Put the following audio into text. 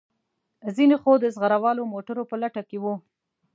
ځینې خو د زغره والو موټرو په لټه کې وو.